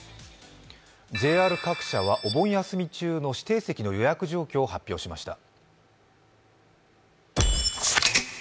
ＪＲ各社はお盆休み中の指定席の予約状況を発表しました。